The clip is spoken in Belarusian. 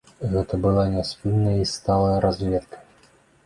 Гэта была няспынная і сталая разведка.